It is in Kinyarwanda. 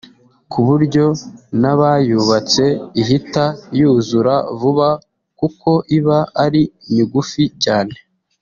kuburyo n’abayubatse ihita yuzura vuba kuko iba ari migufi cyane